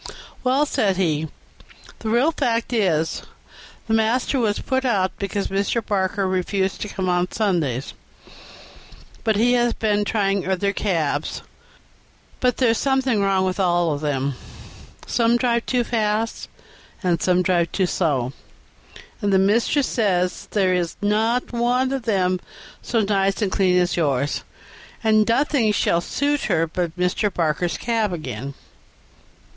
"'Well,' said he, 'the real fact is, master was put out because Mr. Barker refused to come on Sundays, and he has been trying other cabs, but there's something wrong with them all; some drive too fast, and some too slow, and the mistress says there is not one of them so nice and clean as yours, and nothing will suit her but Mr. Barker's cab again.'"